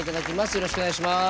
よろしくお願いします。